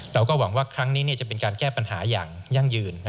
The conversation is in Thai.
เราก็หวังว่าครั้งนี้จะเป็นการแก้ปัญหาอย่างยั่งยืน